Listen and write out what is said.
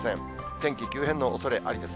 天気急変のおそれありです。